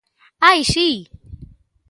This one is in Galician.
¡Ai si!